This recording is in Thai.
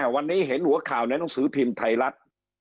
วันนี้เห็นหัวข่าวในหนังสือพิมพ์ไทยรัฐ